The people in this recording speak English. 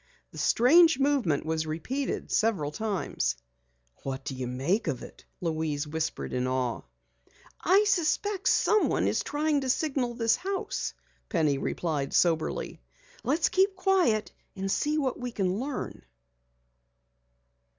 The strange movement was repeated several times. "What do you make of it?" Louise whispered in awe. "I suspect someone is trying to signal this house," Penny replied soberly. "Let's keep quiet and see what we can learn."